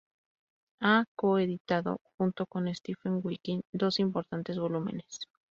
Ha co-editado junto con Stephen Hawking dos importantes volúmenes.